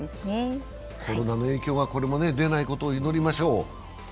コロナの影響がこれも出ないことを祈りましょう。